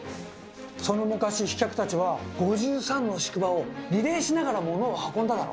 その昔飛脚たちは５３の宿場をリレーしながら物を運んだだろ？